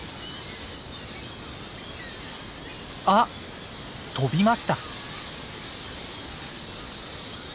あっ飛びました。